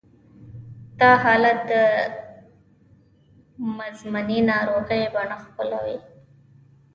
دا حالت د مزمنې ناروغۍ بڼه خپلوي